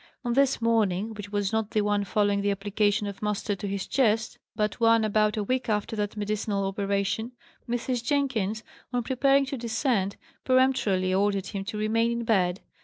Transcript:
On this morning which was not the one following the application of mustard to his chest, but one about a week after that medicinal operation Mrs. Jenkins, on preparing to descend, peremptorily ordered him to remain in bed.